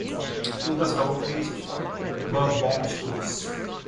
To the south-east were bomb stores.